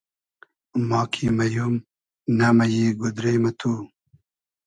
ما کی مئیوم, نئمئیی گودرې مہ تو